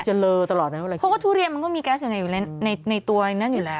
เลอตลอดนะเพราะว่าทุเรียนมันก็มีแก๊สอยู่ในในตัวนั้นอยู่แล้ว